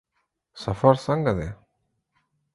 سفر څنګه دی؟